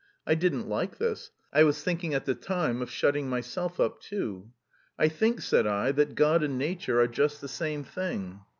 I didn't like this; I was thinking at the time of shutting myself up too. 'I think,' said I, 'that God and nature are just the same thing.'